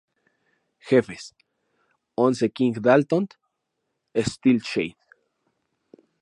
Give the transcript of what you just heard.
Jefes: Once-King Dalton, Steel Shade.